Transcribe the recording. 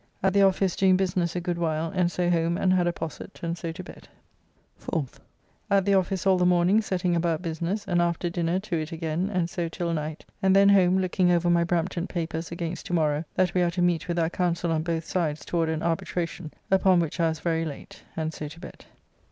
At the office doing business a good while, and so home and had a posset, and so to bed. 4th. At the office all the morning setting about business, and after dinner to it again, and so till night, and then home looking over my Brampton papers against to morrow that we are to meet with our counsel on both sides toward an arbitration, upon which I was very late, and so to bed.